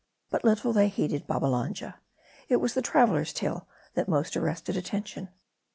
But little they heeded Babbalanja. It was the traveler's tale that most arrested attention.